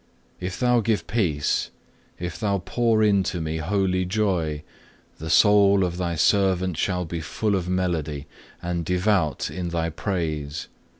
If Thou give peace, if Thou pour into me holy joy, the soul of Thy servant shall be full of melody, and devout in Thy praise.